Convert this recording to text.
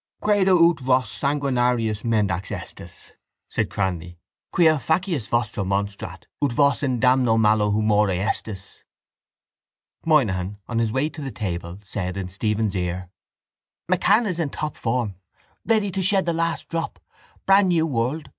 —Credo ut vos sanguinarius mendax estis, said Cranly, quia facies vostra monstrat ut vos in damno malo humore estis. Moynihan, on his way to the table, said in Stephen's ear: —MacCann is in tiptop form. Ready to shed the last drop. Brand new world.